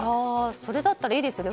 それだったらいいですよね。